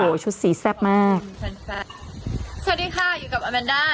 ชุดสีแซ่บมากสวัสดีค่ะอยู่กับอาแมนด้า